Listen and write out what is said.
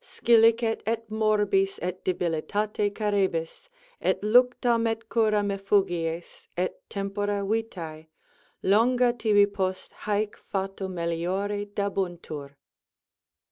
Scilicet et morbis et debilitate carebis, Et luctum et curam effugies, et tempora vitæ Longa tibi post hæc fato meliore dabuntur.